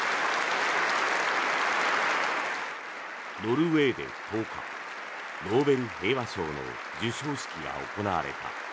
ノルウェーで１０日ノーベル平和賞の授賞式が行われた。